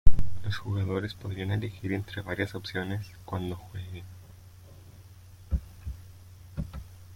Los jugadores podrán elegir entre varias opciones cuando jueguen.